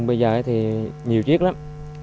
bây giờ thì nhiều chiếc lắm